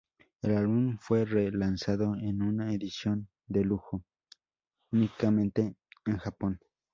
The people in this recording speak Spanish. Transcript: El álbum fue re-lanzado en una edición de lujo únicamente en Japón.